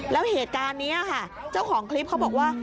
แล้วเหตุการณ์นี้ค่ะเจ้าของคลิปเขาบอกว่า